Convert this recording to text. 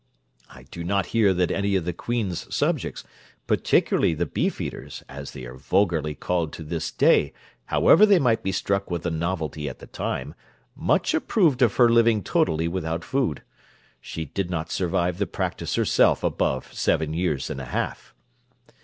I do not hear that any of the queen's subjects, particularly the beef eaters, as they are vulgarly called to this day, however they might be struck with the novelty at the time, much approved of her living totally without food. She did not survive the practice herself above seven years and a half.